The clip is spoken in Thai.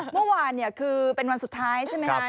เมื่อวานเนี่ยคือเป็นวันสุดท้ายใช่ไหมคะ